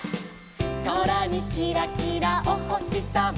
「そらにキラキラおほしさま」